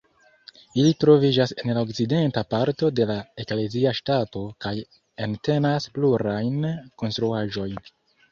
Ili troviĝas en la okcidenta parto de la eklezia ŝtato kaj entenas plurajn konstruaĵojn.